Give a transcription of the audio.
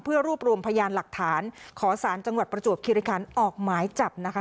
เพื่อรวบรวมพยานหลักฐานขอสารจังหวัดประจวบคิริคันออกหมายจับนะคะ